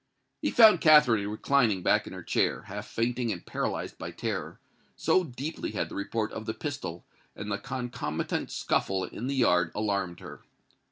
He found Katherine reclining back in her chair—half fainting and paralysed by terror, so deeply had the report of the pistol and the concomitant scuffle in the yard alarmed her.